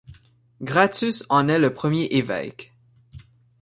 Gratus en est le premier évêque.